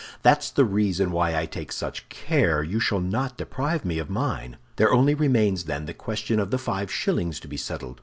That's the reason why I take such care you shall not deprive me of mine. There only remains, then, the question of the five shillings to be settled.